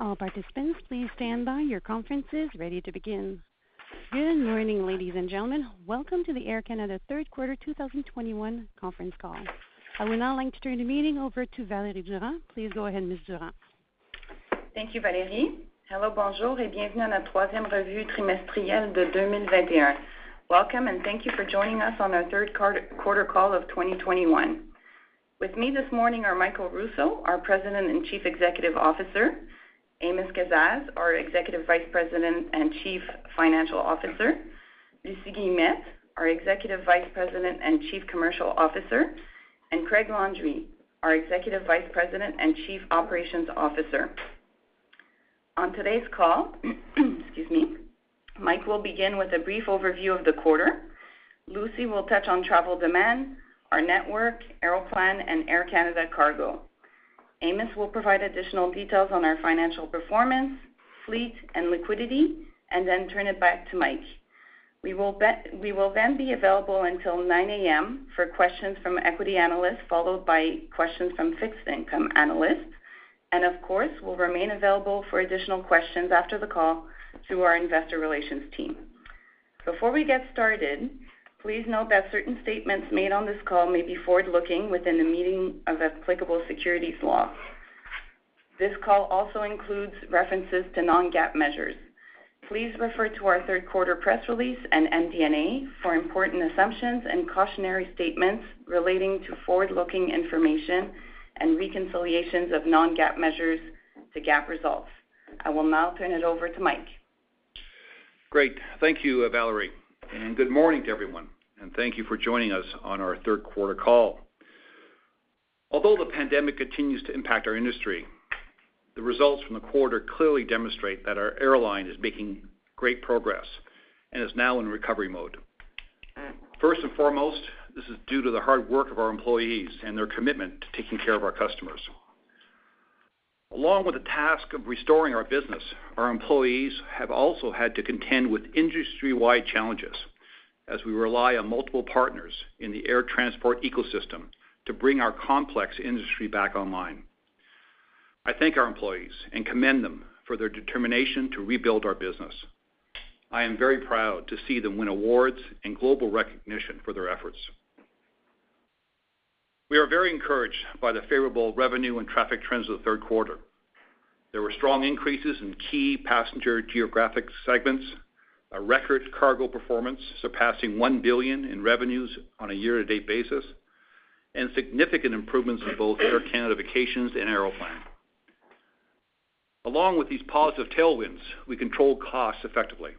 Good morning, ladies and gentlemen. Welcome to the Air Canada Q3 2021 conference call. I would now like to turn the meeting over to Valerie Durand. Please go ahead, Ms. Durand. Thank you, Valerie. Hello, bonjour, et bienvenue à la troisième revue trimestrielle de deux mille vingt-et-un. Welcome, and thank you for joining us on our third quarter call of 2021. With me this morning are Michael Rousseau, our President and CEO, Amos Kazzaz, our EVP and CFO, Lucie Guillemette, our EVP and CCO, and Craig Landry, our EVP and COO. On today's call, excuse me, Mike will begin with a brief overview of the quarter. Lucie will touch on travel demand, our network, Aeroplan, and Air Canada Cargo. Amos will provide additional details on our financial performance, fleet, and liquidity, and then turn it back to Mike. We will then be available until 9:00 A.M. for questions from equity analysts, followed by questions from fixed income analysts, and of course, we'll remain available for additional questions after the call through our investor relations team. Before we get started, please note that certain statements made on this call may be forward-looking within the meaning of applicable securities law. This call also includes references to non-GAAP measures. Please refer to our third quarter press release and MD&A for important assumptions and cautionary statements relating to forward-looking information and reconciliations of non-GAAP measures to GAAP results. I will now turn it over to Mike. Great. Thank you, Valerie, and good morning to everyone, and thank you for joining us on our Q3 call. Although the pandemic continues to impact our industry, the results from the quarter clearly demonstrate that our airline is making great progress and is now in recovery mode. First and foremost, this is due to the hard work of our employees and their commitment to taking care of our customers. Along with the task of restoring our business, our employees have also had to contend with industry-wide challenges as we rely on multiple partners in the air transport ecosystem to bring our complex industry back online. I thank our employees and commend them for their determination to rebuild our business. I am very proud to see them win awards and global recognition for their efforts. We are very encouraged by the favorable revenue and traffic trends of the third quarter. There were strong increases in key passenger geographic segments, a record cargo performance surpassing 1 billion in revenues on a year-to-date basis, and significant improvements in both Air Canada Vacations and Aeroplan. Along with these positive tailwinds, we control costs effectively.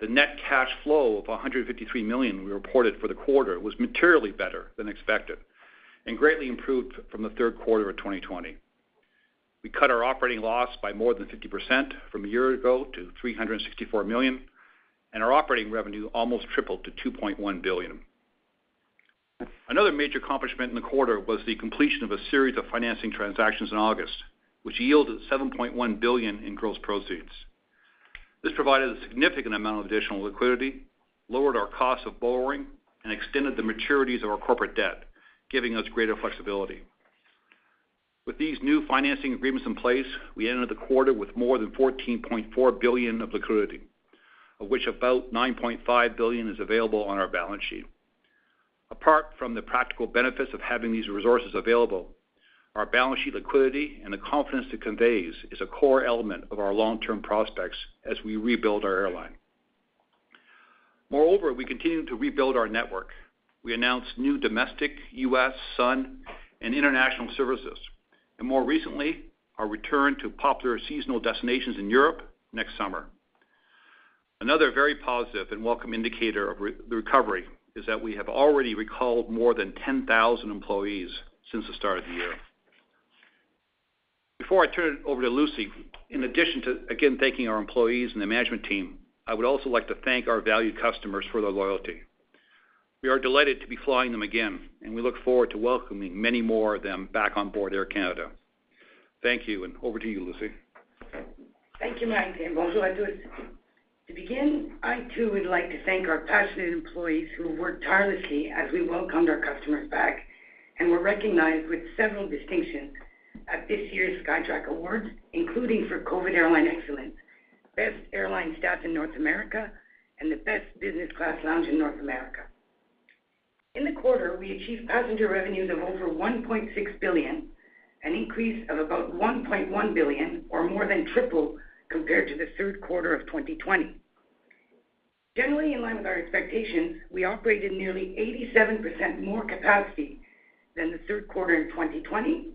The net cash flow of 153 million we reported for the quarter was materially better than expected and greatly improved from the third quarter of 2020. We cut our operating loss by more than 50% from a year ago to 364 million, and our operating revenue almost tripled to 2.1 billion. Another major accomplishment in the quarter was the completion of a series of financing transactions in August, which yielded 7.1 billion in gross proceeds. This provided a significant amount of additional liquidity, lowered our cost of borrowing, and extended the maturities of our corporate debt, giving us greater flexibility. With these new financing agreements in place, we ended the quarter with more than 14.4 billion of liquidity, of which about 9.5 billion is available on our balance sheet. Apart from the practical benefits of having these resources available, our balance sheet liquidity and the confidence it conveys is a core element of our long-term prospects as we rebuild our airline. Moreover, we continue to rebuild our network. We announced new domestic, U.S., Sun, and international services, and more recently, our return to popular seasonal destinations in Europe next summer. Another very positive and welcome indicator of the recovery is that we have already recalled more than 10,000 employees since the start of the year. Before I turn it over to Lucie, in addition to again thanking our employees and the management team, I would also like to thank our valued customers for their loyalty. We are delighted to be flying them again, and we look forward to welcoming many more of them back on board Air Canada. Thank you, and over to you, Lucie. Thank you, Mike, and bonjour à tous. To begin, I too would like to thank our passionate employees who worked tirelessly as we welcomed our customers back and were recognized with several distinctions at this year's Skytrax Awards, including for COVID Airline Excellence, Best Airline Staff in North America, and the Best Business Class Lounge in North America. In the quarter, we achieved passenger revenues of over 1.6 billion, an increase of about 1.1 billion or more than triple compared to the Q3 of 2020. Generally in line with our expectations, we operated nearly 87% more capacity than the Q3 in 2020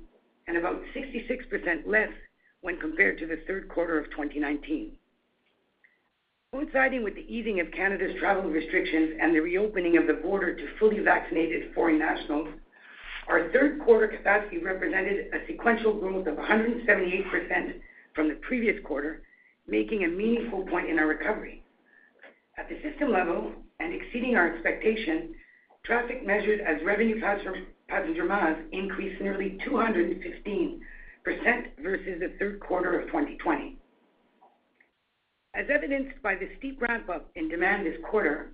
and about 66% less when compared to the Q3 of 2019. Coinciding with the easing of Canada's travel restrictions and the reopening of the border to fully vaccinated foreign nationals, our Q3 capacity represented a sequential growth of 178% from the previous quarter, making a meaningful point in our recovery. At the system level and exceeding our expectation, traffic measured as revenue passenger miles increased nearly 215% versus the Q3 of 2020. As evidenced by the steep ramp-up in demand this quarter,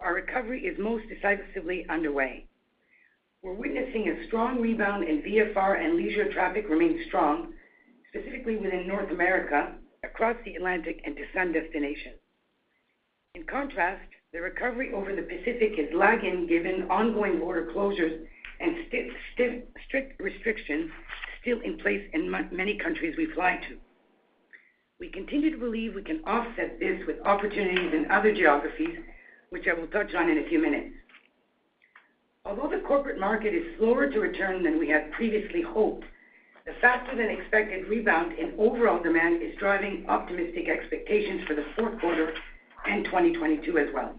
our recovery is most decisively underway. We're witnessing a strong rebound in VFR and leisure traffic remains strong, specifically within North America, across the Atlantic, and to sun destinations. In contrast, the recovery over the Pacific is lagging given ongoing border closures and strict restrictions still in place in many countries we fly to. We continue to believe we can offset this with opportunities in other geographies, which I will touch on in a few minutes. Although the corporate market is slower to return than we had previously hoped, the faster than expected rebound in overall demand is driving optimistic expectations for the Q4 and 2022 as well.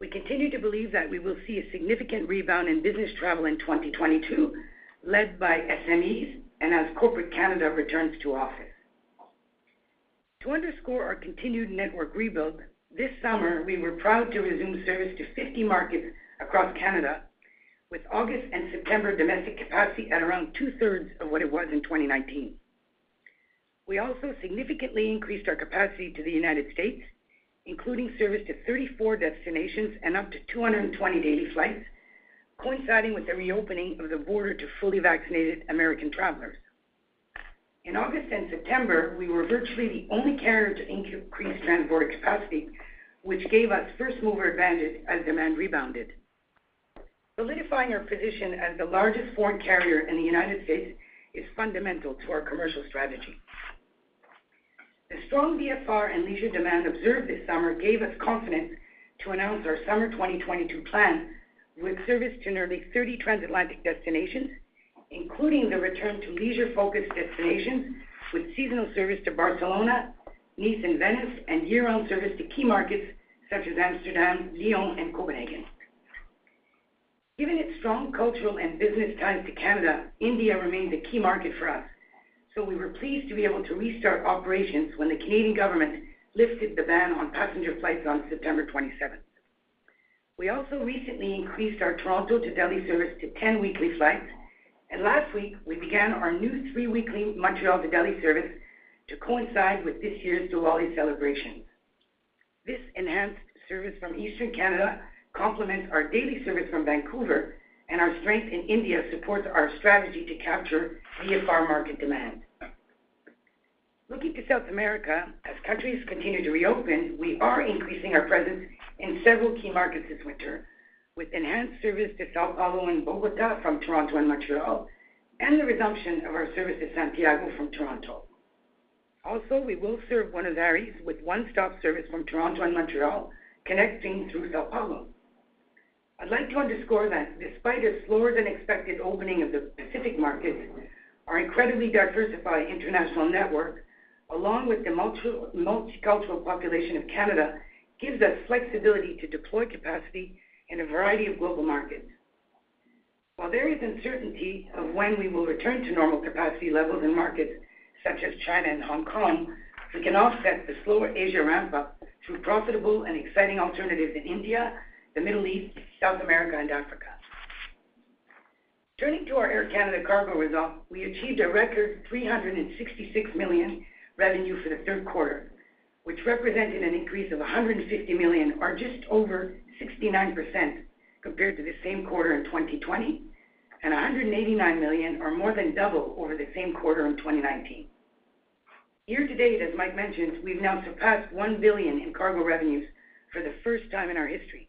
We continue to believe that we will see a significant rebound in business travel in 2022, led by SMEs and as corporate Canada returns to office. To underscore our continued network rebuild, this summer we were proud to resume service to 50 markets across Canada with August and September domestic capacity at around two-thirds of what it was in 2019. We also significantly increased our capacity to the U,S., including service to 34 destinations and up to 220 daily flights, coinciding with the reopening of the border to fully vaccinated American travelers. In August and September, we were virtually the only carrier to increase transborder capacity, which gave us first mover advantage as demand rebounded. Solidifying our position as the largest foreign carrier in the United States is fundamental to our commercial strategy. The strong VFR and leisure demand observed this summer gave us confidence to announce our summer 2022 plan with service to nearly 30 transatlantic destinations, including the return to leisure-focused destinations with seasonal service to Barcelona, Nice and Venice, and year round service to key markets such as Amsterdam, Lyon and Copenhagen. Given its strong cultural and business ties to Canada, India remains a key market for us, so we were pleased to be able to restart operations when the Canadian government lifted the ban on passenger flights on September twenty-seventh. We also recently increased our Toronto to Delhi service to 10 weekly flights, and last week we began our new three weekly Montreal to Delhi service to coincide with this year's Diwali celebration. This enhanced service from Eastern Canada complements our daily service from Vancouver and our strength in India supports our strategy to capture VFR market demand. Looking to South America, as countries continue to reopen, we are increasing our presence in several key markets this winter with enhanced service to São Paulo and Bogotá from Toronto and Montreal, and the resumption of our service to Santiago from Toronto. Also, we will serve Buenos Aires with one-stop service from Toronto and Montreal, connecting through São Paulo. I'd like to underscore that despite a slower than expected opening of the Pacific markets, our incredibly diversified international network, along with the multicultural population of Canada, gives us flexibility to deploy capacity in a variety of global markets. While there is uncertainty of when we will return to normal capacity levels in markets such as China and Hong Kong, we can offset the slower Asia ramp-up through profitable and exciting alternatives in India, the Middle East, South America and Africa. Turning to our Air Canada Cargo results, we achieved a record 366 million revenue for the third quarter, which represented an increase of 150 million or just over 69% compared to the same quarter in 2020, and 189 million or more than double over the same quarter in 2019. Year to date, as Mike mentioned, we've now surpassed 1 billion in cargo revenues for the first time in our history,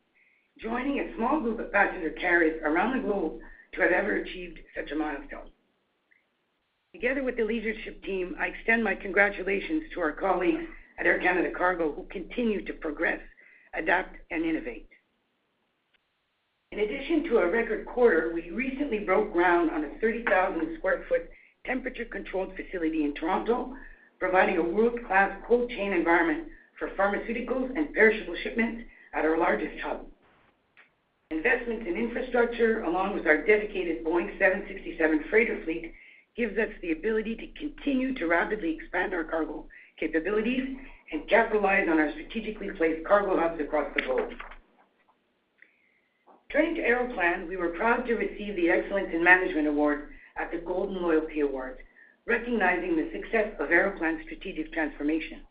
joining a small group of passenger carriers around the globe to have ever achieved such a milestone. Together with the leadership team, I extend my congratulations to our colleagues at Air Canada Cargo who continue to progress, adapt and innovate. In addition to a record quarter, we recently broke ground on a 30,000 square foot temperature-controlled facility in Toronto, providing a world-class cold chain environment for pharmaceuticals and perishable shipments at our largest hub. Investments in infrastructure, along with our dedicated Boeing 767 freighter fleet, gives us the ability to continue to rapidly expand our cargo capabilities and capitalize on our strategically placed cargo hubs across the globe. Turning to Aeroplan, we were proud to receive the Excellence in Management Award at the Golden Loyalty Awards, recognizing the success of Aeroplan's strategic transformation.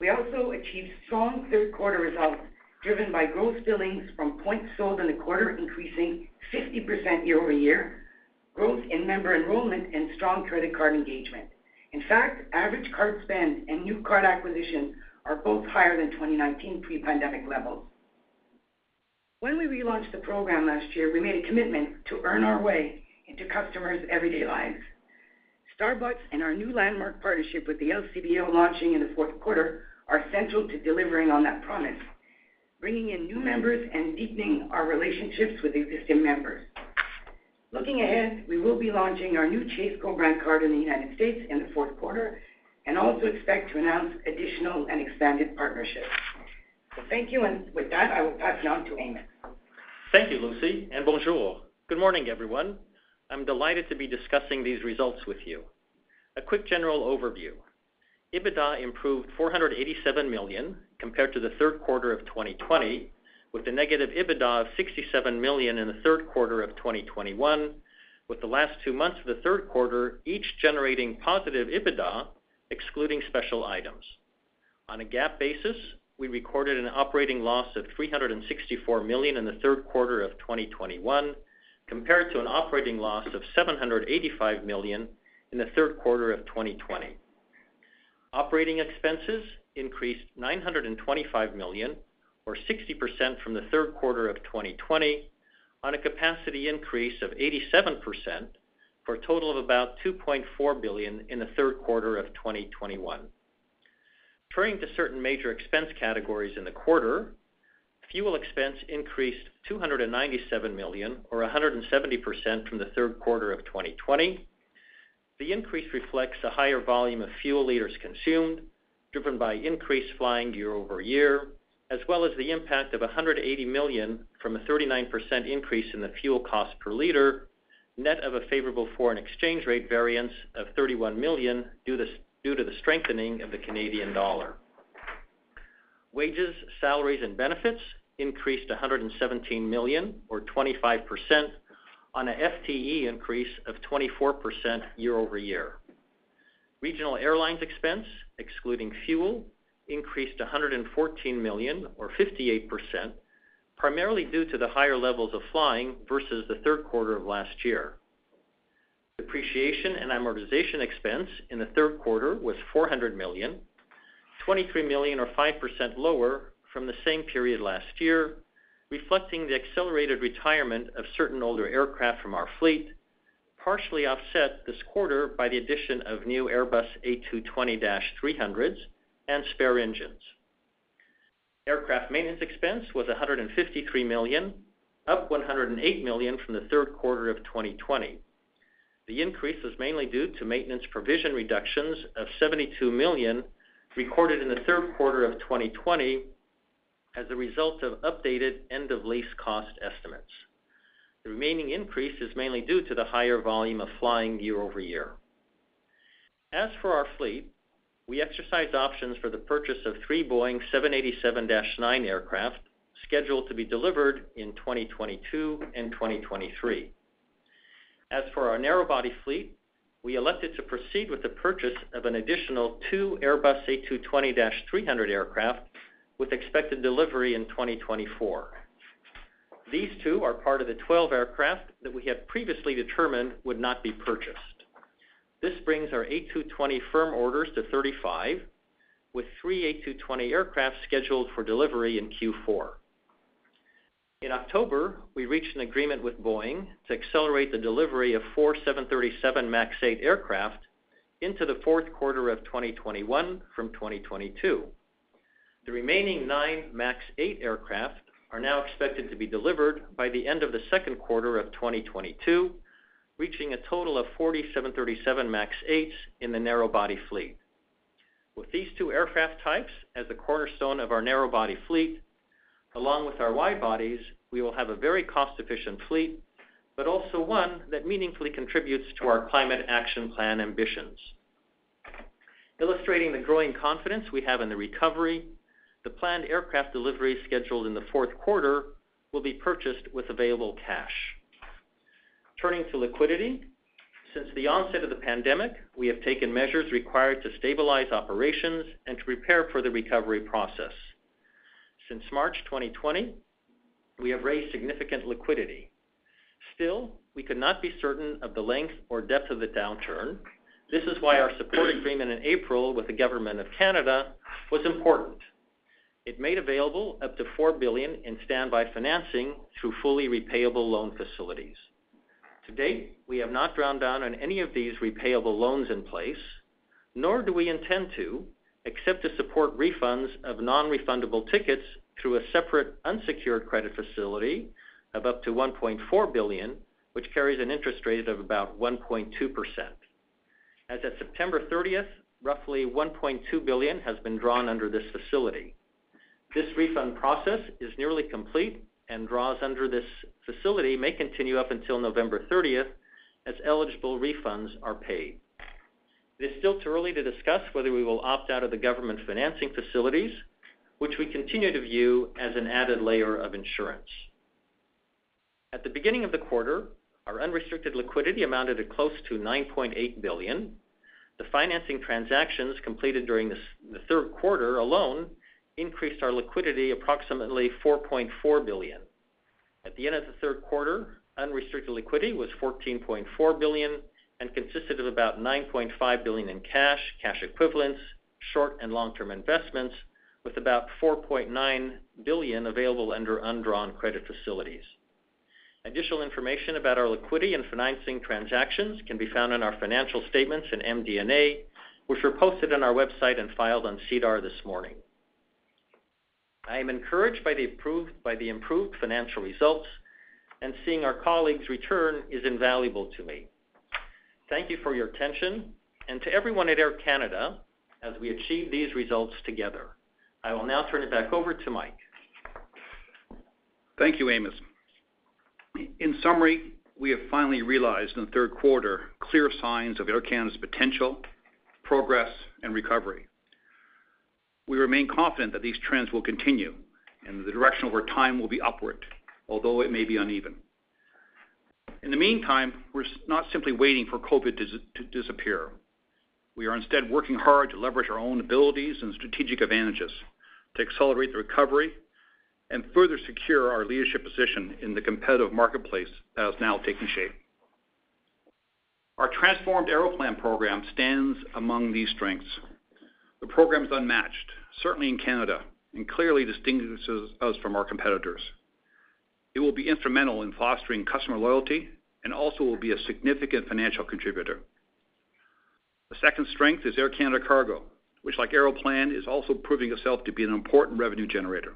We also achieved strong Q3 results driven by gross billings from points sold in the quarter, increasing 50% year-over-year, growth in member enrollment and strong credit card engagement. In fact, average card spend and new card acquisitions are both higher than 2019 pre-pandemic levels. When we relaunched the program last year, we made a commitment to earn our way into customers' everyday lives. Starbucks and our new landmark partnership with the LCBO launching in the Q4 are central to delivering on that promise, bringing in new members and deepening our relationships with existing members. Looking ahead, we will be launching our new Chase co-brand card in the U.S in the Q4 and also expect to announce additional and expanded partnerships. Thank you, and with that, I will pass it on to Amos. Thank you, Lucie, and (Foreign Language content). Good morning, everyone. I'm delighted to be discussing these results with you. A quick general overview. EBITDA improved 487 million compared to the Q3 of 2020, with a negative EBITDA of 67 million in the Q3 of 2021, with the last two months of the Q3 each generating positive EBITDA excluding special items. On a GAAP basis, we recorded an operating loss of 364 million in the Q3 of 2021 compared to an operating loss of 785 million in the Q3 of 2020. Operating expenses increased 925 million or 60% from the Q3 of 2020 on a capacity increase of 87% for a total of about 2.4 billion in the Q3 of 2021. Turning to certain major expense categories in the quarter, fuel expense increased 297 million or 170% from the Q3 of 2020. The increase reflects a higher volume of fuel liters consumed, driven by increased flying year-over-year, as well as the impact of $180 million from a 39% increase in the fuel cost per liter, net of a favorable foreign exchange rate variance of 31 million due to the strengthening of the Canadian dollar. Wages, salaries and benefits increased 117 million or 25% on a FTE increase of 24% year-over-year. Regional airlines expense, excluding fuel, increased 114 million or 58%, primarily due to the higher levels of flying versus the Q3 of last year. Depreciation and amortization expense in the Q3 was 400 million, 23 million or 5% lower from the same period last year, reflecting the accelerated retirement of certain older aircraft from our fleet, partially offset this quarter by the addition of new Airbus A220-300s and spare engines. Aircraft maintenance expense was 153 million, up 108 million from the Q3 of 2020. The increase was mainly due to maintenance provision reductions of 72 million recorded in the Q3 of 2020 as a result of updated end of lease cost estimates. The remaining increase is mainly due to the higher volume of flying year-over-year. As for our fleet, we exercised options for the purchase of three Boeing 787-9 aircraft scheduled to be delivered in 2022 and 2023. As for our narrow body fleet, we elected to proceed with the purchase of an additional two Airbus A220-300 aircraft with expected delivery in 2024. These two are part of the 12 aircraft that we have previously determined would not be purchased. This brings our A220 firm orders to 35, with 3 A220 aircraft scheduled for delivery in Q4. In October, we reached an agreement with Boeing to accelerate the delivery of four 737 MAX 8 aircraft into the Q4 of 2021 from 2022. The remaining nine MAX 8 aircraft are now expected to be delivered by the end of the Q2 of 2022, reaching a total of 47 737 MAX 8s in the narrow body fleet. With these two aircraft types as the cornerstone of our narrow body fleet, along with our wide bodies, we will have a very cost efficient fleet, but also one that meaningfully contributes to our climate action plan ambitions. Illustrating the growing confidence we have in the recovery, the planned aircraft delivery scheduled in the Q4 will be purchased with available cash. Turning to liquidity, since the onset of the pandemic, we have taken measures required to stabilize operations and to prepare for the recovery process. Since March 2020, we have raised significant liquidity. Still, we could not be certain of the length or depth of the downturn. This is why our support agreement in April with the government of Canada was important. It made available up to 4 billion in standby financing through fully repayable loan facilities. To date, we have not drawn down on any of these repayable loans in place, nor do we intend to access to support refunds of non-refundable tickets through a separate unsecured credit facility of up to 1.4 billion, which carries an interest rate of about 1.2%. As of September 30, roughly 1.2 billion has been drawn under this facility. This refund process is nearly complete and draws under this facility may continue up until November 30 as eligible refunds are paid. It is still too early to discuss whether we will opt out of the government financing facilities, which we continue to view as an added layer of insurance. At the beginning of the quarter, our unrestricted liquidity amounted to close to 9.8 billion. The financing transactions completed during the Q3 alone increased our liquidity approximately 4.4 billion. At the end of the Q3, unrestricted liquidity was 14.4 billion and consisted of about 9.5 billion in cash equivalents, short and long-term investments with about 4.9 billion available under undrawn credit facilities. Additional information about our liquidity and financing transactions can be found in our financial statements in MD&A, which were posted on our website and filed on SEDAR this morning. I am encouraged by the improved financial results and seeing our colleagues return is invaluable to me. Thank you for your attention and to everyone at Air Canada as we achieve these results together. I will now turn it back over to Mike. Thank you, Amos. In summary, we have finally realized in the Q3 clear signs of Air Canada's potential, progress and recovery. We remain confident that these trends will continue and the direction over time will be upward, although it may be uneven. In the meantime, we're not simply waiting for COVID to disappear. We are instead working hard to leverage our own abilities and strategic advantages to accelerate the recovery and further secure our leadership position in the competitive marketplace that is now taking shape. Our transformed Aeroplan program stands among these strengths. The program is unmatched, certainly in Canada, and clearly distinguishes us from our competitors. It will be instrumental in fostering customer loyalty and also will be a significant financial contributor. The second strength is Air Canada Cargo, which like Aeroplan, is also proving itself to be an important revenue generator.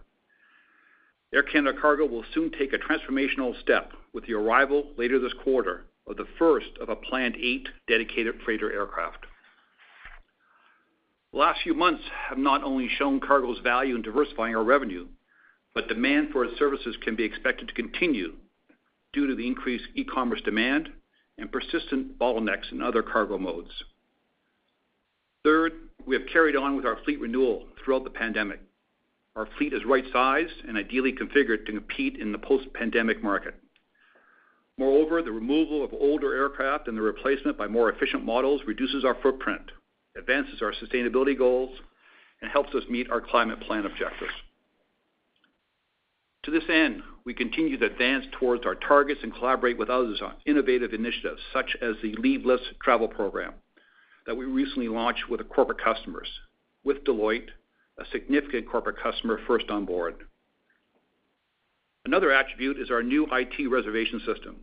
Air Canada Cargo will soon take a transformational step with the arrival later this quarter of the first of a planned eight dedicated freighter aircraft. The last few months have not only shown cargo's value in diversifying our revenue, but demand for its services can be expected to continue due to the increased e-commerce demand and persistent bottlenecks in other cargo modes. Third, we have carried on with our fleet renewal throughout the pandemic. Our fleet is right-sized and ideally configured to compete in the post-pandemic market. Moreover, the removal of older aircraft and the replacement by more efficient models reduces our footprint, advances our sustainability goals, and helps us meet our climate plan objectives. To this end, we continue to advance towards our targets and collaborate with others on innovative initiatives such as the Leave Less Travel Program that we recently launched with corporate customers, with Deloitte a significant corporate customer first on board. Another attribute is our new IT reservation system.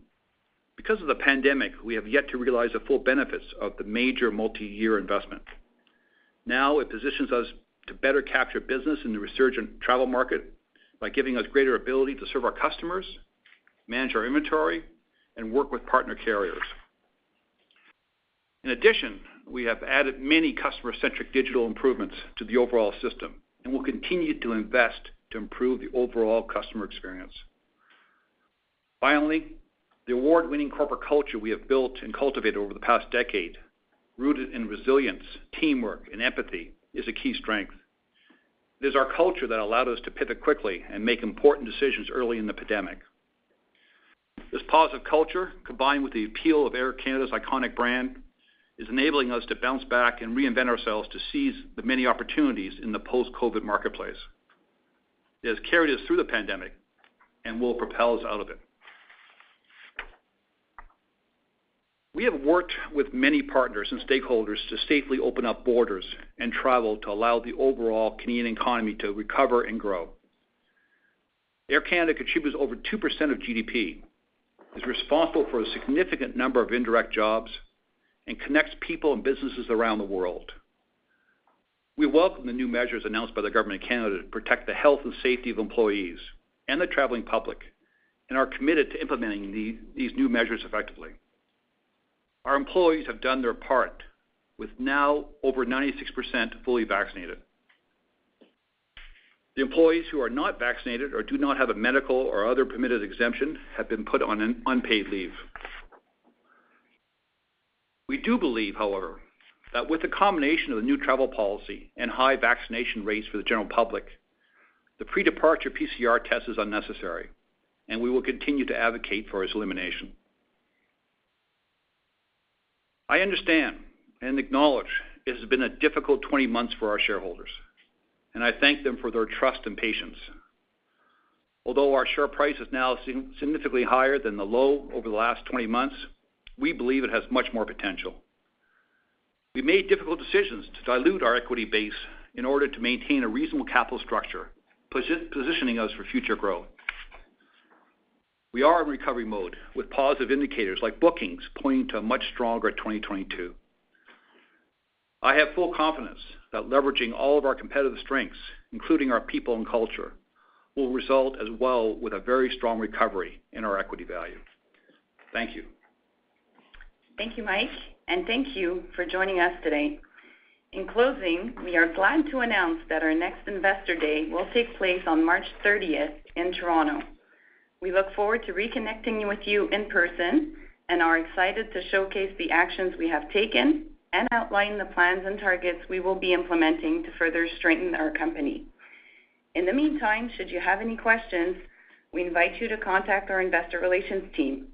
Because of the pandemic, we have yet to realize the full benefits of the major multi-year investment. Now it positions us to better capture business in the resurgent travel market by giving us greater ability to serve our customers, manage our inventory, and work with partner carriers. In addition, we have added many customer-centric digital improvements to the overall system and will continue to invest to improve the overall customer experience. Finally, the award-winning corporate culture we have built and cultivated over the past decade, rooted in resilience, teamwork, and empathy is a key strength. It is our culture that allowed us to pivot quickly and make important decisions early in the pandemic. This positive culture, combined with the appeal of Air Canada's iconic brand, is enabling us to bounce back and reinvent ourselves to seize the many opportunities in the post-COVID marketplace. It has carried us through the pandemic and will propel us out of it. We have worked with many partners and stakeholders to safely open up borders and travel to allow the overall Canadian economy to recover and grow. Air Canada contributes over two percent of GDP, is responsible for a significant number of indirect jobs, and connects people and businesses around the world. We welcome the new measures announced by the government of Canada to protect the health and safety of employees and the traveling public, and are committed to implementing these new measures effectively. Our employees have done their part with now over 96% fully vaccinated. The employees who are not vaccinated or do not have a medical or other permitted exemption have been put on an unpaid leave. We do believe, however, that with the combination of the new travel policy and high vaccination rates for the general public, the pre-departure PCR test is unnecessary, and we will continue to advocate for its elimination. I understand and acknowledge it has been a difficult 20 months for our shareholders, and I thank them for their trust and patience. Although our share price is now significantly higher than the low over the last 20 months, we believe it has much more potential. We made difficult decisions to dilute our equity base in order to maintain a reasonable capital structure, positioning us for future growth. We are in recovery mode with positive indicators like bookings pointing to a much stronger 2022. I have full confidence that leveraging all of our competitive strengths, including our people and culture, will result as well with a very strong recovery in our equity value. Thank you. Thank you, Mike, and thank you for joining us today. In closing, we are glad to announce that our next Investor Day will take place on March thirtieth in Toronto. We look forward to reconnecting with you in person and are excited to showcase the actions we have taken and outline the plans and targets we will be implementing to further strengthen our company. In the meantime, should you have any questions, we invite you to contact our investor relations team.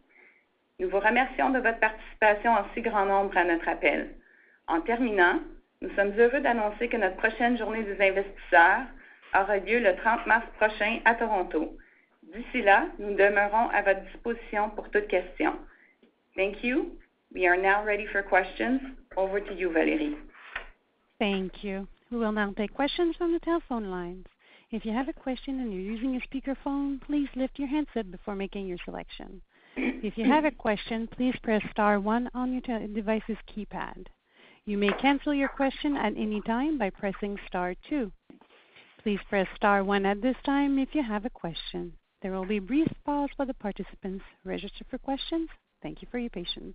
Thank you. We are now ready for questions. Over to you, Valerie. Thank you. We will now take questions from the telephone lines. If you have a question and you're using a speakerphone, please lift your handset before making your selection. If you have a question, please press star one on your touch-tone phone's keypad. You may cancel your question at any time by pressing star two. Please press star one at this time if you have a question. There will be a brief pause for the participants registered for questions. Thank you for your patience.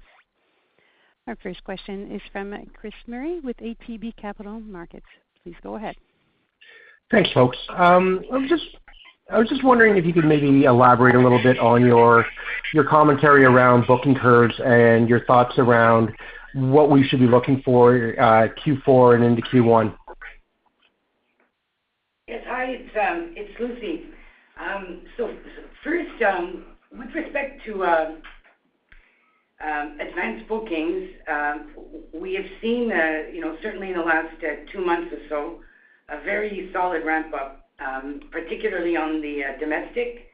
Our first question is from Chris Murray with ATB Capital Markets. Please go ahead. Thanks, folks. I was just wondering if you could maybe elaborate a little bit on your commentary around booking curves and your thoughts around what we should be looking for, Q4 and into Q1. Yes. Hi, it's Lucie. First, with respect to advanced bookings, we have seen, you know, certainly in the last two months or so, a very solid ramp up, particularly on the domestic,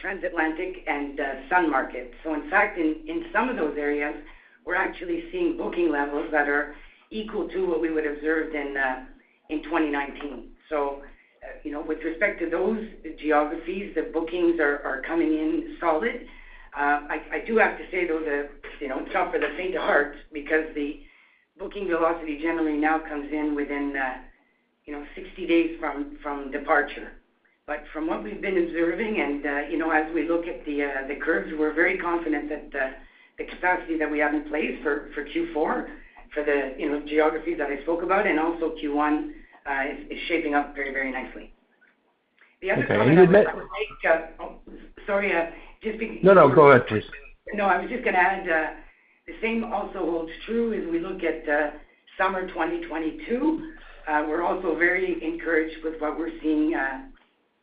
transatlantic and sun markets. In fact, in some of those areas, we're actually seeing booking levels that are equal to what we would observed in 2019. You know, with respect to those geographies, the bookings are coming in solid. I do have to say, though, that, you know, it's not for the faint of heart because the booking velocity generally now comes in within, you know, 60 days from departure. From what we've been observing and, you know, as we look at the curves, we're very confident that the capacity that we have in place for Q4 for the, you know, geographies that I spoke about and also Q1 is shaping up very, very nicely. The other comment I would make. Okay. Oh, sorry. No, no, go ahead, please. No, I was just gonna add, the same also holds true as we look at summer 2022. We're also very encouraged with what we're seeing,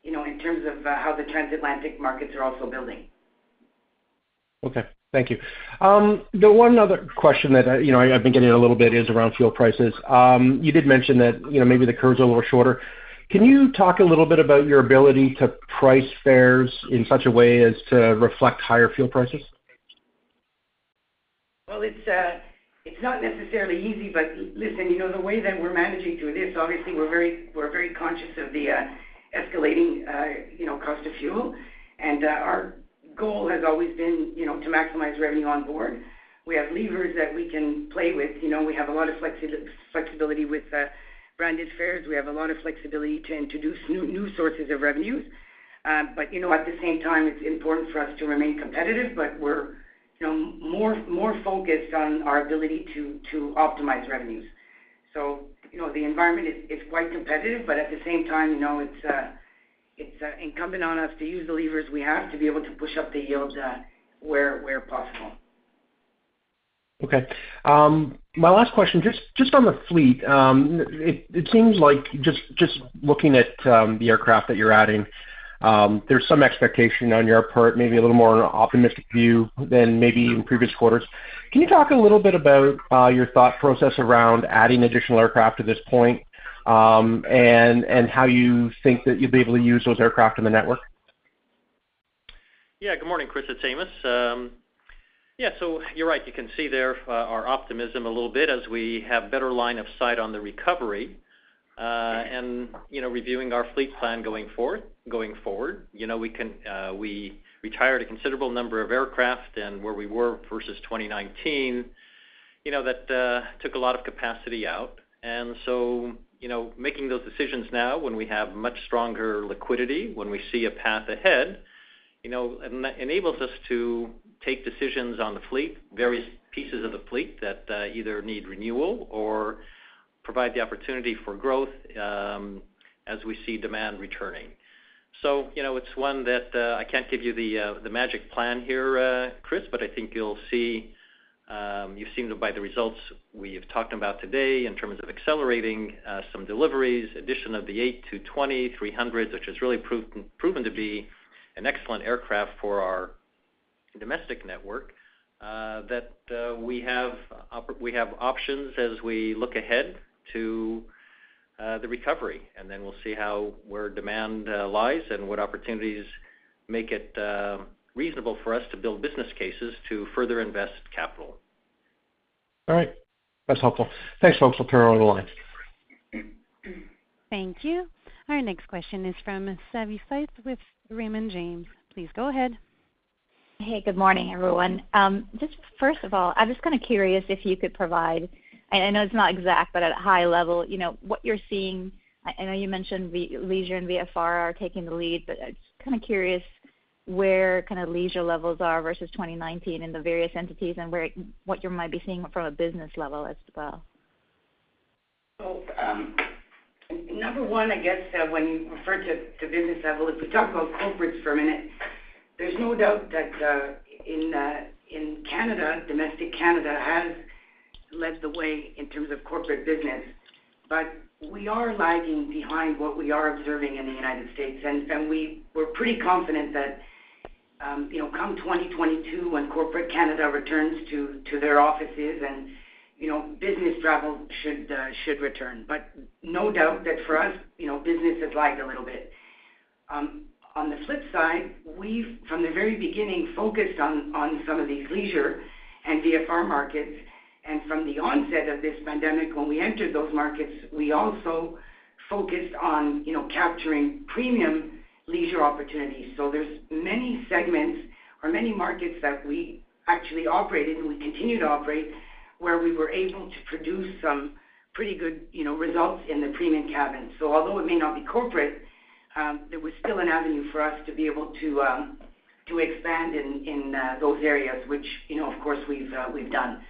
you know, in terms of how the transatlantic markets are also building. Okay. Thank you. The one other question that, you know, I've been getting a little bit is around fuel prices. You did mention that, you know, maybe the curves are a little shorter. Can you talk a little bit about your ability to price fares in such a way as to reflect higher fuel prices? Well, it's not necessarily easy, but listen, you know, the way that we're managing through this. Obviously we're very conscious of the escalating, you know, cost of fuel. Our goal has always been, you know, to maximize revenue on board. We have levers that we can play with. You know, we have a lot of flexibility with Branded Fares. We have a lot of flexibility to introduce new sources of revenues. You know, at the same time, it's important for us to remain competitive, but we're more focused on our ability to optimize revenues. You know, the environment is quite competitive, but at the same time, you know, it's incumbent on us to use the levers we have to be able to push up the yield, where possible. Okay. My last question, just on the fleet. It seems like just looking at the aircraft that you're adding, there's some expectation on your part, maybe a little more optimistic view than maybe in previous quarters. Can you talk a little bit about your thought process around adding additional aircraft at this point, and how you think that you'll be able to use those aircraft in the network? Yeah. Good morning, Chris. It's Amos. Yeah, so you're right. You can see there our optimism a little bit as we have better line of sight on the recovery. You know, reviewing our fleet plan going forward. You know, we retired a considerable number of aircraft and where we were versus 2019, you know, that took a lot of capacity out. You know, making those decisions now when we have much stronger liquidity, when we see a path ahead, you know, enables us to take decisions on the fleet, various pieces of the fleet that either need renewal or provide the opportunity for growth, as we see demand returning. You know, it's one that I can't give you the magic plan here, Chris, but I think you'll see you've seen by the results we've talked about today in terms of accelerating some deliveries, addition of the A220-300, which has really proven to be an excellent aircraft for our domestic network, that we have options as we look ahead to the recovery. Then we'll see how where demand lies and what opportunities make it reasonable for us to build business cases to further invest capital. All right. That's helpful. Thanks, folks. I'll turn over the line. Thank you. Our next question is from Savanthi Syth with Raymond James. Please go ahead. Hey, good morning, everyone. Just first of all, I was kinda curious if you could provide, and I know it's not exact, but at a high level, you know, what you're seeing. I know you mentioned leisure and VFR are taking the lead, but I was kinda curious where kinda leisure levels are versus 2019 in the various entities and what you might be seeing from a business level as well. Number one, I guess, when you refer to business level, if we talk about corporates for a minute, there's no doubt that in Canada, domestic Canada has led the way in terms of corporate business. But we are lagging behind what we are observing in the U.S. We're pretty confident that, you know, come 2022, when corporate Canada returns to their offices and, you know, business travel should return. But no doubt that for us, you know, business has lagged a little bit. On the flip side, we've from the very beginning focused on some of these leisure and VFR markets. From the onset of this pandemic, when we entered those markets, we also focused on, you know, capturing premium leisure opportunities. There's many segments or many markets that we actually operated, and we continue to operate, where we were able to produce some pretty good, you know, results in the premium cabin. Although it may not be corporate, there was still an avenue for us to be able to to expand in those areas, which, you know, of course, we've done.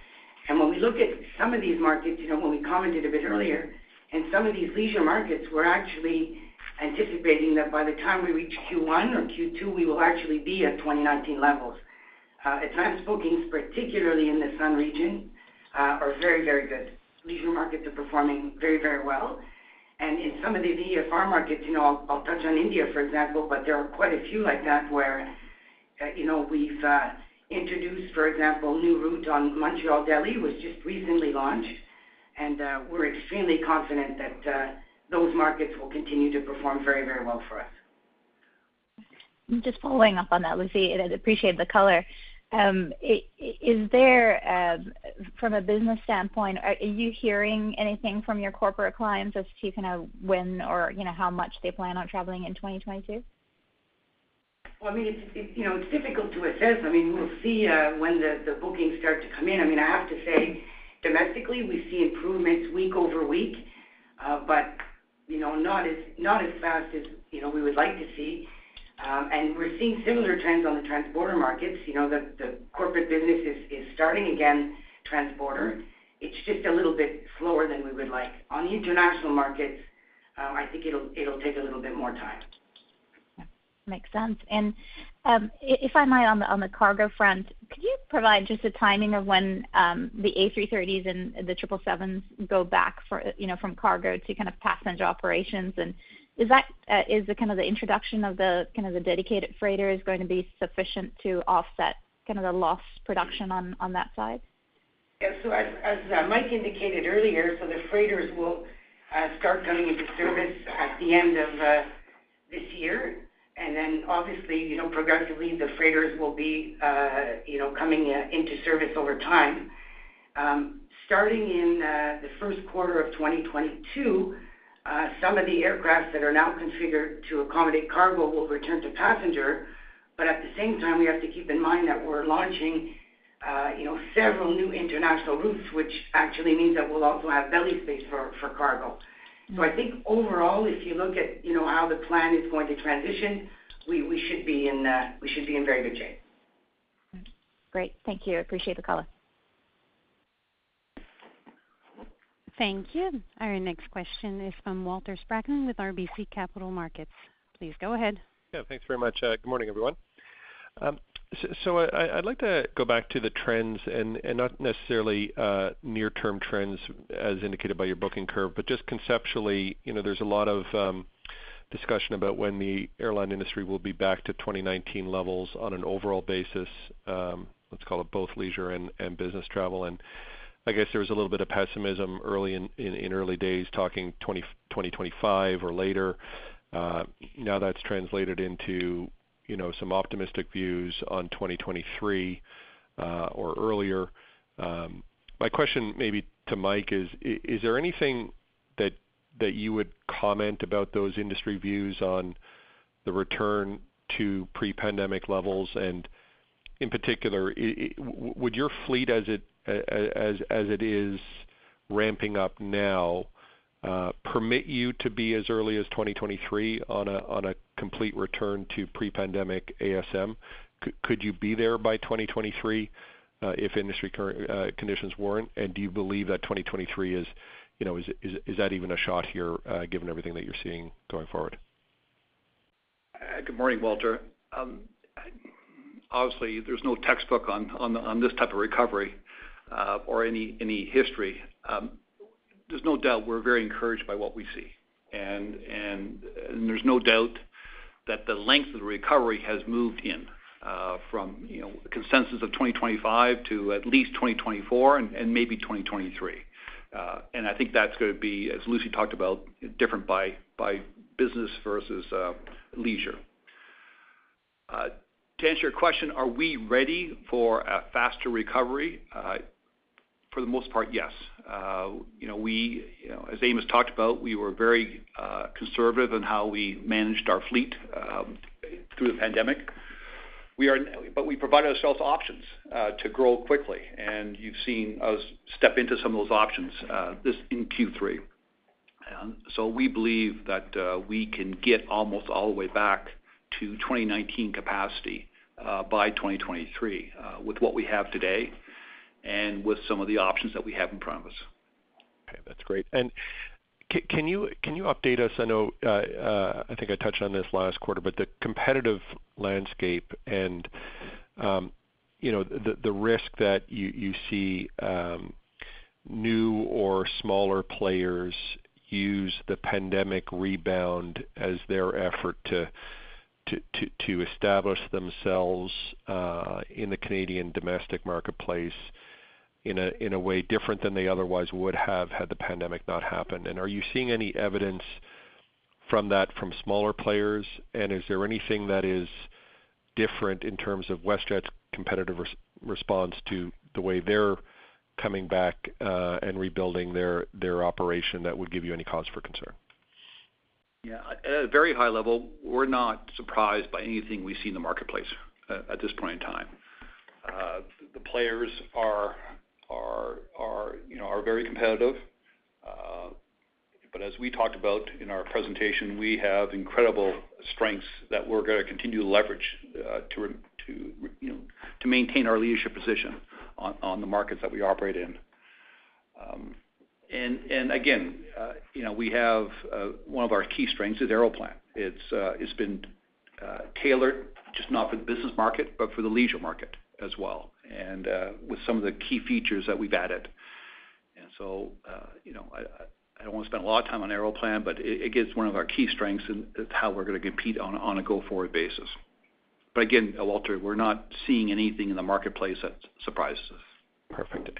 When we look at some of these markets, you know, when we commented a bit earlier, in some of these leisure markets, we're actually anticipating that by the time we reach Q1 or Q2, we will actually be at 2019 levels. Advance bookings, particularly in the sun region, are very, very good. Leisure markets are performing very, very well. In some of the VFR markets, you know, I'll touch on India, for example, but there are quite a few like that where, you know, we've introduced, for example, new route on Montreal Delhi was just recently launched, and we're extremely confident that those markets will continue to perform very, very well for us. Just following up on that, Lucie, and I appreciate the color. Is there, from a business standpoint, are you hearing anything from your corporate clients as to kind of when or, you know, how much they plan on traveling in 2022? Well, I mean, it's difficult to assess. I mean, we'll see when the bookings start to come in. I mean, I have to say, domestically, we see improvements week over week, but, you know, not as fast as we would like to see. We're seeing similar trends on the transborder markets. You know, the corporate business is starting again transborder. It's just a little bit slower than we would like. On the international markets, I think it'll take a little bit more time. Yeah. Makes sense. If I might on the cargo front, could you provide just a timing of when the A330s and the 777s go back for, you know, from cargo to kind of passenger operations? Is the introduction of the dedicated freighter going to be sufficient to offset kind of the lost production on that side? Yeah. As Mike indicated earlier, the freighters will start coming into service at the end of this year. Then obviously, you know, progressively the freighters will be, you know, coming into service over time. Starting in the Q1 of 2022, some of the aircraft that are now configured to accommodate cargo will return to passenger. At the same time, we have to keep in mind that we're launching, you know, several new international routes, which actually means that we'll also have belly space for cargo. I think overall, if you look at, you know, how the plan is going to transition, we should be in very good shape. Okay. Great. Thank you. I appreciate the color. Thank you. Our next question is from Walter Spracklin with RBC Capital Markets. Please go ahead. Yeah. Thanks very much. Good morning, everyone. So I would like to go back to the trends and not necessarily near-term trends as indicated by your booking curve, but just conceptually, you know, there's a lot of discussion about when the airline industry will be back to 2019 levels on an overall basis, let's call it both leisure and business travel. I guess there was a little bit of pessimism early in the early days talking 2025 or later. Now that's translated into, you know, some optimistic views on 2023 or earlier. My question maybe to Mike is there anything that you would comment about those industry views on the return to pre-pandemic levels? In particular, would your fleet as it is ramping up now permit you to be as early as 2023 on a complete return to pre-pandemic ASM? Could you be there by 2023 if industry conditions warrant? Do you believe that 2023 is, you know, is that even a shot here given everything that you're seeing going forward? Good morning, Walter. Obviously, there's no textbook on this type of recovery, or any history. There's no doubt we're very encouraged by what we see. There's no doubt that the length of the recovery has moved in from you know, consensus of 2025 to at least 2024 and maybe 2023. I think that's gonna be, as Lucie talked about, different by business versus leisure. To answer your question, are we ready for a faster recovery? For the most part, yes. You know, as Amos talked about, we were very conservative in how we managed our fleet through the pandemic. We provided ourselves options to grow quickly, and you've seen us step into some of those options, this in Q3. We believe that we can get almost all the way back to 2019 capacity by 2023 with what we have today and with some of the options that we have in progress. Okay. That's great. Can you update us? I know, I think I touched on this last quarter, but the competitive landscape and, you know, the risk that you see, new or smaller players use the pandemic rebound as their effort to establish themselves, in the Canadian domestic marketplace in a way different than they otherwise would have had the pandemic not happened. Are you seeing any evidence from that from smaller players? Is there anything that is different in terms of WestJet's competitive response to the way they're coming back, and rebuilding their operation that would give you any cause for concern? Yeah. At a very high level, we're not surprised by anything we see in the marketplace at this point in time. The players, you know, are very competitive. As we talked about in our presentation, we have incredible strengths that we're gonna continue to leverage, you know, to maintain our leadership position on the markets that we operate in. Again, you know, we have one of our key strengths is Aeroplan. It's been tailored just not for the business market, but for the leisure market as well, and with some of the key features that we've added. You know, I don't want to spend a lot of time on Aeroplan, but it gives one of our key strengths in how we're gonna compete on a go-forward basis. Again, Walter, we're not seeing anything in the marketplace that surprises us. Perfect.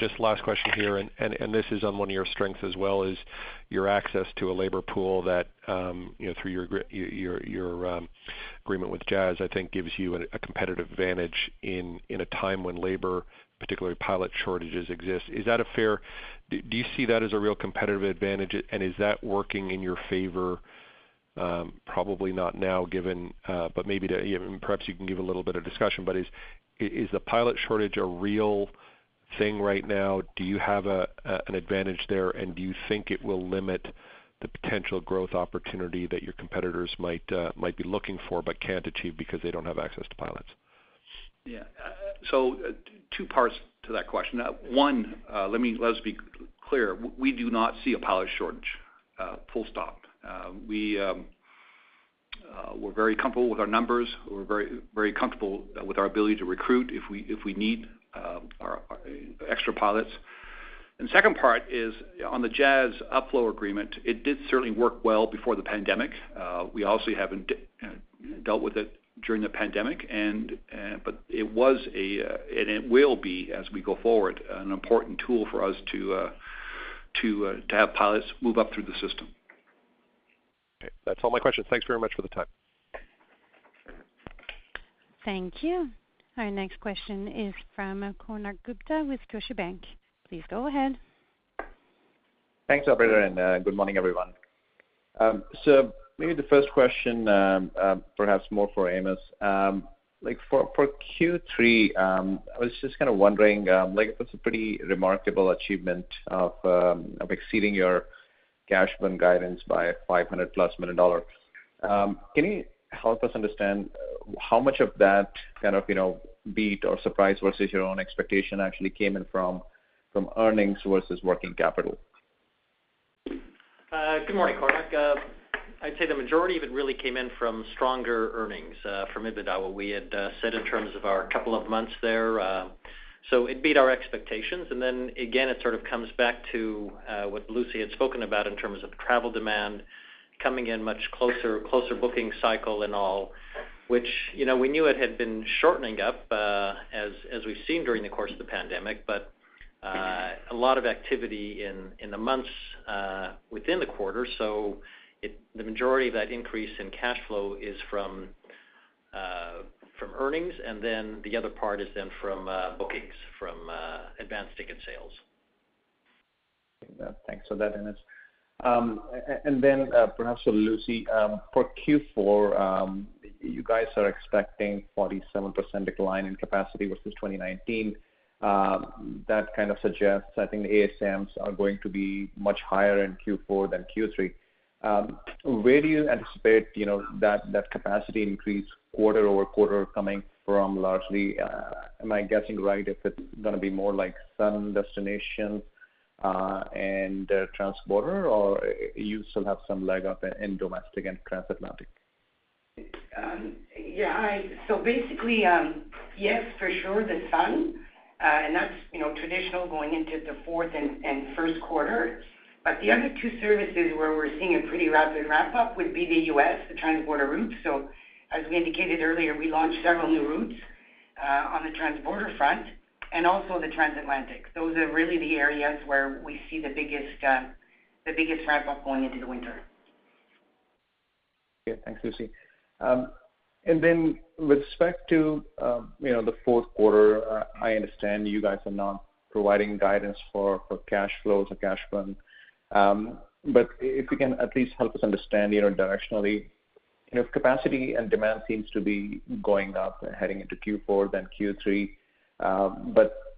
Just last question here, and this is on one of your strengths as well, is your access to a labor pool that, you know, through your agreement with Jazz, I think gives you a competitive advantage in a time when labor, particularly pilot shortages exist. Do you see that as a real competitive advantage and is that working in your favor? Probably not now given, but maybe, you know, perhaps you can give a little bit of discussion, but is the pilot shortage a real thing right now? Do you have an advantage there? And do you think it will limit the potential growth opportunity that your competitors might be looking for but can't achieve because they don't have access to pilots? Yeah. Two parts to that question. One, let's be clear. We do not see a pilot shortage, full stop. We're very comfortable with our numbers. We're very, very comfortable with our ability to recruit if we need extra pilots. Second part is on the Jazz upflow agreement. It did certainly work well before the pandemic. We obviously haven't dealt with it during the pandemic, but it was, and it will be, as we go forward, an important tool for us to have pilots move up through the system. Okay. That's all my questions. Thanks very much for the time. Thank you. Our next question is from Konark Gupta with Scotiabank. Please go ahead. Thanks, operator, and good morning, everyone. Maybe the first question, perhaps more for Amos. Like for Q3, I was just kind of wondering, like it was a pretty remarkable achievement of exceeding your cash burn guidance by 500+ million dollars. Can you help us understand how much of that kind of, you know, beat or surprise versus your own expectation actually came in from earnings versus working capital? Good morning, Konark. I'd say the majority of it really came in from stronger earnings from EBITDA, what we had said in terms of our couple of months there. It beat our expectations. Then again, it sort of comes back to what Lucie had spoken about in terms of travel demand coming in much closer booking cycle and all, which, you know, we knew it had been shortening up as we've seen during the course of the pandemic, but a lot of activity in the months within the quarter. The majority of that increase in cash flow is from earnings, and then the other part is then from bookings from advanced ticket sales. Thanks for that, Amos. Perhaps for Lucie, for Q4, you guys are expecting 47% decline in capacity versus 2019. That kind of suggests, I think the ASMs are going to be much higher in Q4 than Q3. Where do you anticipate, you know, that capacity increase quarter-over-quarter coming from largely, am I guessing right, if it's gonna be more like sun destinations and transpacific, or you still have some leg up in domestic and transatlantic? Yeah. Basically, yes, for sure, the sun and that's, you know, traditional going into the fourth and first quarter. The other two services where we're seeing a pretty rapid ramp-up would be the U.S., the transborder routes. As we indicated earlier, we launched several new routes on the transborder front and also the transatlantic. Those are really the areas where we see the biggest ramp up going into the winter. Okay. Thanks, Lucie. With respect to the fourth quarter, I understand you guys are not providing guidance for cash flows or cash burn. If you can at least help us understand directionally, you know, if capacity and demand seems to be going up heading into Q4, then Q3.